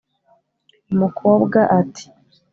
umukobwa ati